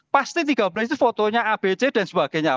pasti tiga belas itu fotonya abc dan sebagainya